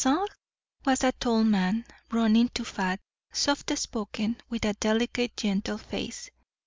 Bazin was a tall man, running to fat: soft spoken, with a delicate, gentle face.